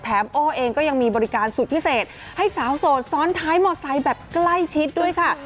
โอ้เองก็ยังมีบริการสุดพิเศษให้สาวโสดซ้อนท้ายมอไซค์แบบใกล้ชิดด้วยค่ะ